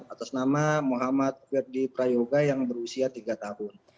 atas nama muhammad ferdiprayoga yang berusia tiga tahun